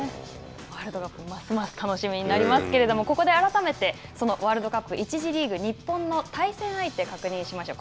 ワールドカップ、ますます楽しみになりますけれども、ここで改めて、そのワールドカップ１次リーグ、日本の対戦相手、確認しましょう。